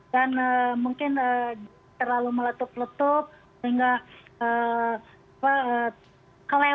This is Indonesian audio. dan mungkin terlalu meletup letup sehingga kelewat apa namanya mungkin keceplosan kali pak menteri ya